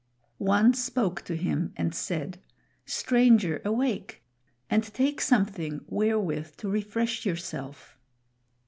One spoke to him and said: "Stranger, awake, and take something wherewith to refresh yourself."